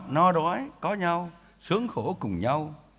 nói đói có nhau sướng khổ cùng nhau